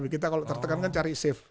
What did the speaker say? kita kalau tertekan kan cari safe